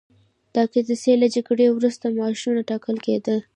د قادسیې له جګړې وروسته معاشونه ټاکل کېدل.